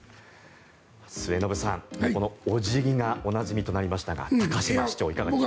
末延さん、このお辞儀がおなじみとなりましたが高島市長いかがでしょう。